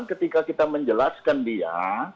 ketika kita menjelaskan dia